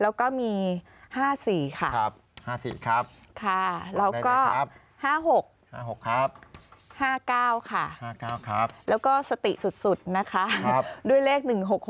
แล้วก็มี๕๔ค่ะแล้วก็๕๖ครับ๕๙ค่ะแล้วก็สติสุดนะคะด้วยเลข๑๖๖๑